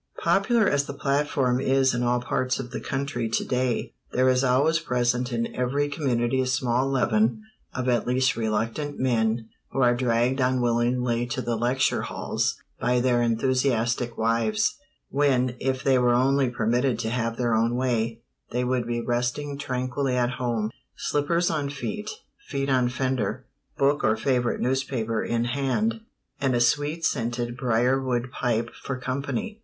Popular as the platform is in all parts of the country to day, there is always present in every community a small leaven of at least reluctant men who are dragged unwillingly to the lecture halls by their enthusiastic wives, when, if they were only permitted to have their own way, they would be resting tranquilly at home, slippers on feet, feet on fender, book or favorite newspaper in hand, and a sweet scented briarwood pipe for company.